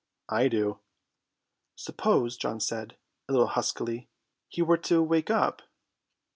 "I do." "Suppose," John said, a little huskily, "he were to wake up."